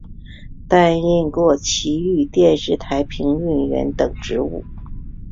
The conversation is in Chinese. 担任过崎玉电视台评论员等职务。